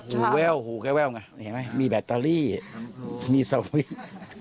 หูแว่วหูแว่วไงเห็นไหมมีแบตเตอรี่มีสวิตช์